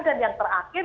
dan yang terakhir